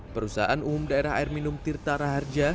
perusahaan umum daerah air minum tirta raharja